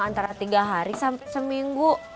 antara tiga hari sampai seminggu